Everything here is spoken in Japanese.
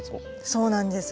そうなんです。